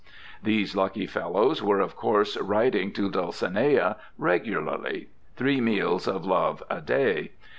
These lucky fellows were of course writing to Dulcinea regularly, three meals of love a day.